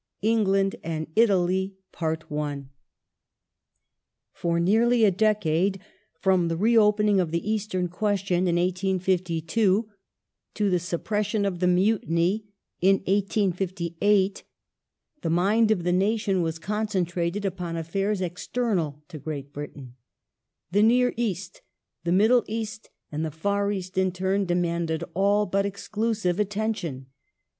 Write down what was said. ENGLAND AND ITALY (1856 1860) FOR nearly a decade — from the reopening of the Eastern question (1852) to the suppression of the Mutiny (1858) — the mind of the nation was concentrated upon affairs external to Great Britain. The Near East, the Middle East, and the Far East in turn demanded all but exclusive attention.